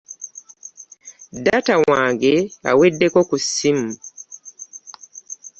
Data wange aweddeko ku ssimu.